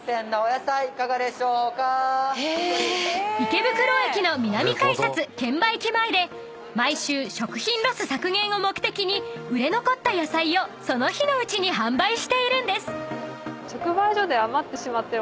［池袋駅の南改札券売機前で毎週食品ロス削減を目的に売れ残った野菜をその日のうちに販売しているんです］